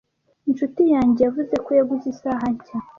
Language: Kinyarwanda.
Inshuti yanjye yavuze ko yaguze isaha nshya.